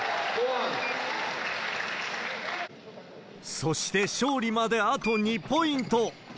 そして勝利まであと２ポイント。